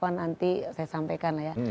nanti saya sampaikan lah ya